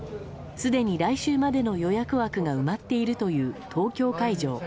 すでに来週までの予約枠が埋まっているという東京会場。